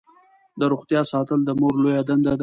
د روغتیا ساتل د مور لویه دنده ده.